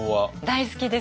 大好きです。